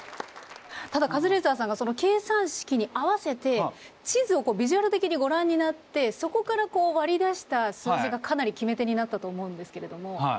ただカズレーザーさんがその計算式に合わせて地図をビジュアル的にご覧になってそこから割り出した数字がかなり決め手になったと思うんですけれども。